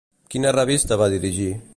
Quina revista va dirigir?